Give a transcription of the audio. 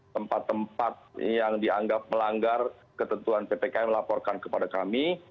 tempat tempat yang dianggap melanggar ketentuan ppkm laporkan kepada kami